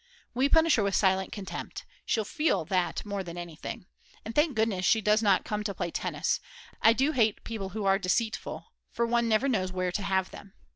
We punish her with silent contempt, she'll feel that more than anything. And thank goodness she does not come to play tennis. I do hate people who are deceitful, for one never knows where to have them.